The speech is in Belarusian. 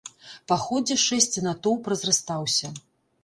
Па ходзе шэсця натоўп разрастаўся.